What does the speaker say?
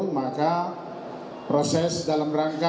maka proses dalam rangka